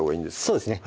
そうですね